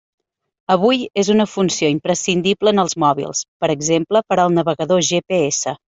Avui és una funció imprescindible en els mòbils, per exemple per al navegador GPS.